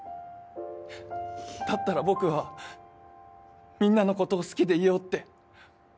だったら僕はみんなの事を好きでいようって。